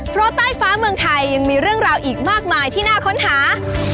เพราะใต้ฟ้าเมืองไทยยังมีเรื่องราวอีกมากมายที่น่าค้นหา